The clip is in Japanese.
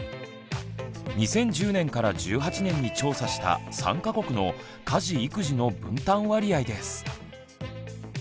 ２０１０年から１８年に調査した３か国の「家事育児の分担割合」です。